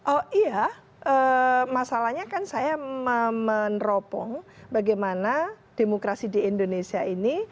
oh iya masalahnya kan saya meneropong bagaimana demokrasi di indonesia ini